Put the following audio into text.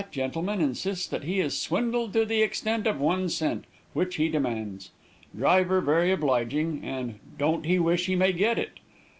Fat gentleman insists that he is swindled to the extent of one cent, which he demands. Driver very obliging, and 'don't he wish he may get it.'